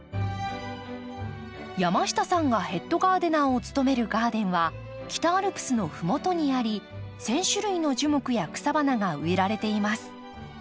山下さんがヘッドガーデナーを務めるガーデンは北アルプスの麓にあり１，０００種類の樹木や草花が植えられています。